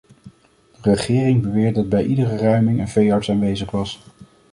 De regering beweert dat bij iedere ruiming een veearts aanwezig was.